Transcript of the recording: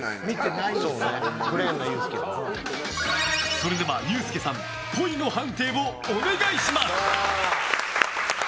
それでは、ユースケさんっぽいの判定をお願いします。